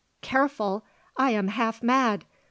"Careful! I am half mad!